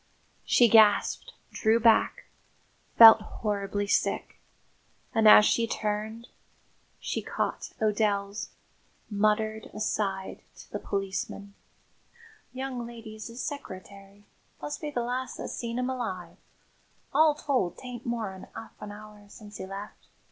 She gasped, drew back, felt horribly sick; and, as she turned, she caught O'Dell's muttered aside to the policeman. "Young lady's 'is seccereterry must be the last that seen 'im alive. All told, 'tain't more'n 'arf an 'our since 'e left.